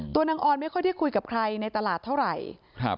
นางออนไม่ค่อยได้คุยกับใครในตลาดเท่าไหร่ครับ